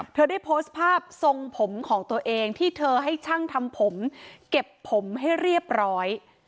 เธอได้โพสต์ภาพทรงผมของตัวเองที่เธอให้ช่างทำผมเก็บผมให้เรียบร้อย